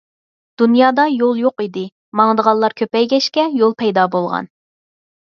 دۇنيادا يول يوق ئىدى، ماڭىدىغانلار كۆپەيگەچكە يول پەيدا بولغان.